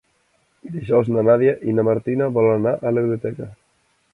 Dijous na Nàdia i na Martina volen anar a la biblioteca.